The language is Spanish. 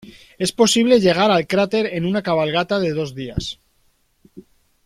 Es posible llegar al cráter en una cabalgata de dos días.